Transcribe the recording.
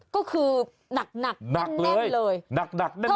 ก็คือนักแน่นเลย